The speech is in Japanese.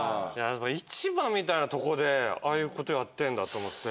市場みたいなとこでああいう事やってんだと思って。